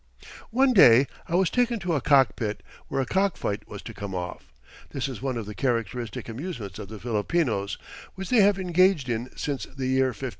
One day I was taken to a cockpit, where a cockfight was to come off. This is one of the characteristic amusements of the Filipinos, which they have engaged in since the year 1500.